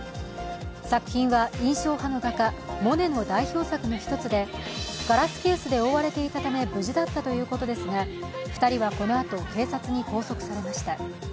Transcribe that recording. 作品は印象派の画家・モネの代表作の一つでガラスケースで覆われていたため無事だったということですが２人はこのあと警察に拘束されました。